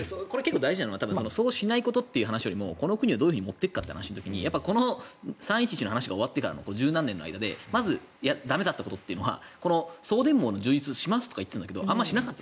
大事なのはそうしないことって話よりもこの国をどう持っていくかという時に３・１１の話が終わってからの１０何年の話の中でまず駄目だったことは送電網の充実をしますと言っていたけどあまりしなかった。